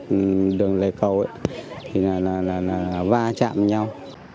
trên đường lề cầu ấy thì là va chạm với nhau